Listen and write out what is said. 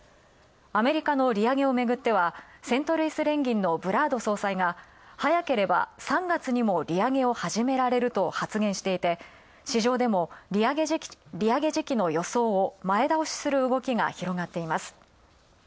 アメリカの利上げをめぐっては、セントルイス連銀のブラード総裁が早ければ３月にも利上げを始められると発言していて、市場でも利上げ時期の予想を前倒しする動きも広がっています。